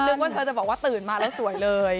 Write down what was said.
ว่าเธอจะบอกว่าตื่นมาแล้วสวยเลย